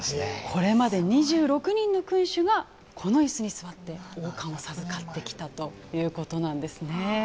これまで２６人の君主がこの椅子に座って王冠を授かってきたということなんですね。